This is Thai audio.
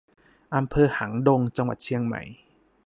อำเภอหางดง จังหวัดเชียงใหม่